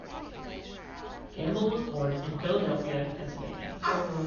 Gambel was born in Philadelphia, Pennsylvania.